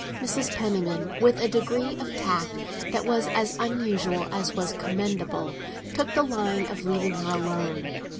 Mrs. Penniman, with a degree of tact that was as unusual as it was commendable, took the line of leaving her alone.